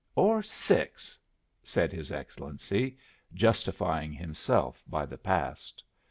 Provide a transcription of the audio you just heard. Or six," said his Excellency, justifying himself by the past.